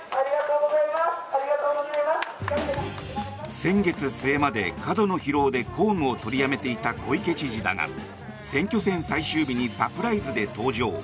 先月末まで過度の疲労で公務を取りやめていた小池知事だが選挙戦最終日にサプライズで登場。